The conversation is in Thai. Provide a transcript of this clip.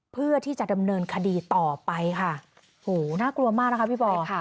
เพื่อที่จะดำเนินคดีต่อไปค่ะโหน่ากลัวมากนะคะพี่บอยค่ะ